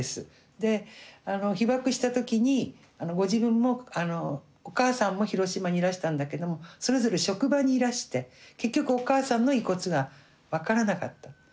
で被爆した時にご自分もお母さんも広島にいらしたんだけどもそれぞれ職場にいらして結局お母さんの遺骨が分からなかった。